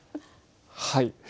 はい。